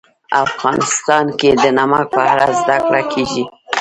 افغانستان کې د نمک په اړه زده کړه کېږي.